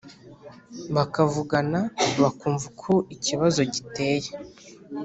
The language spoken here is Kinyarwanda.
bakavugana bakumva uko ikibazo giteye